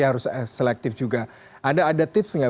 harus selektif juga ada ada tips nggak